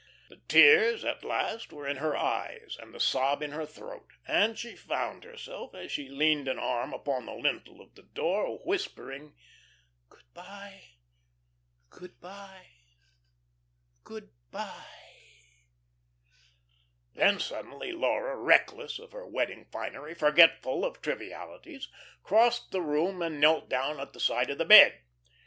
The tears at last were in her eyes, and the sob in her throat, and she found herself, as she leaned an arm upon the lintel of the door, whispering: "Good by. Good by. Good by." Then suddenly Laura, reckless of her wedding finery, forgetful of trivialities, crossed the room and knelt down at the side of the bed.